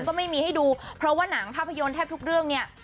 ก็ไม่มีให้ดูเพราะว่าหนังภาพยนตร์แทบทุกเรื่องเนี่ย